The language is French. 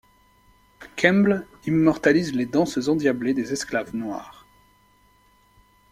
Kemble immortalise les danses endiablées des esclaves noirs.